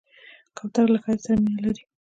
کوتره له ښایست سره مینه لري.